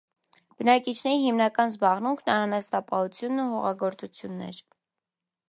Բնակիչների հիմնական զբաղմունքն անասնապահությունն ու հողագործությունն էր։